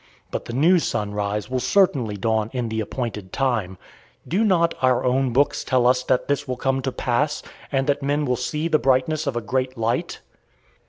But the new sunrise will certainly dawn in the appointed time. Do not our own books tell us that this will come to pass, and that men will see the brightness of a great light?"